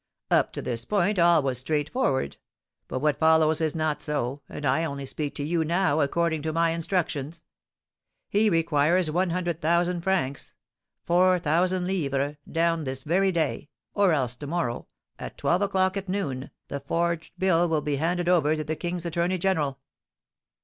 Up to this point all was straightforward, but what follows is not so, and I only speak to you now according to my instructions. He requires one hundred thousand francs (4,000_l._) down this very day, or else to morrow, at twelve o'clock at noon, the forged bill will be handed over to the king's attorney general."